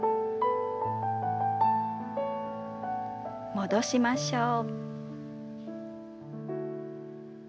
戻しましょう。